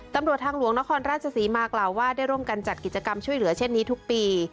ตำรวจทางหลวงนครราชศรีมากล่าวว่าได้ร่วมกันจัดกิจกรรมช่วยเหลือเช่นนี้ทุกปี